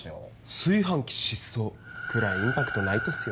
「炊飯器失踪」くらいインパクトないとっすよね。